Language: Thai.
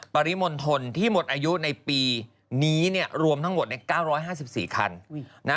ปริมทรที่หมดอายุในปีนี้รวมทั้งหมด๙๕๔คัน